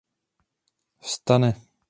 Vstane.